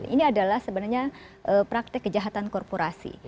ini adalah sebenarnya praktek kejahatan korporasi